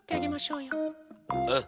うん。